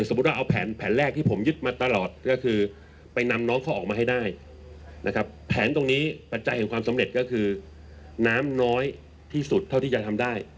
ว่าเอาแผนแรกที่ผมยึดมาตลอดก็คือไปนำน้องเขาออกมาให้ได้นะครับแผนตรงนี้ปัจจัยของความสำเร็จก็คือน้ำน้อยที่สุดเท่าที่จะทำได้